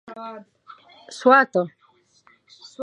سوات